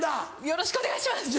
よろしくお願いします！